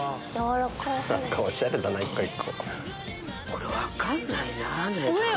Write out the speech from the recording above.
これ分かんないな。